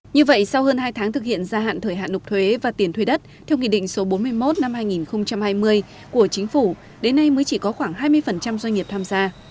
như vậy sau hơn hai tháng thực hiện gia hạn thời hạn nộp thuế và tiền thuê đất theo nghị định số bốn mươi một năm hai nghìn hai mươi của chính phủ đến nay mới chỉ có khoảng hai mươi doanh nghiệp tham gia